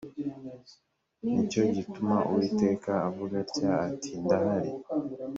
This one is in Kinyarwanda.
ni cyo gituma uwiteka avuga atya ati ndahari